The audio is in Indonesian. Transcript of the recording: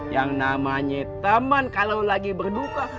yang namanya teman kalau lagi berduka